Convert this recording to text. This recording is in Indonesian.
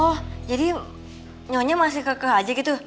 oh jadi nyonya masih kekeh aja gitu